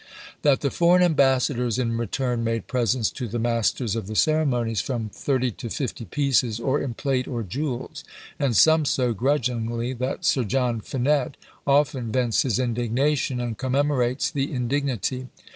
That the foreign ambassadors in return made presents to the masters of the ceremonies from thirty to fifty "pieces," or in plate or jewels; and some so grudgingly, that Sir John Finett often vents his indignation, and commemorates the indignity.